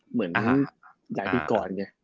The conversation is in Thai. เหมือนอย่างที่ก่อน